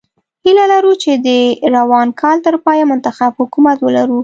هیله لرو چې د روان کال تر پایه منتخب حکومت ولرو.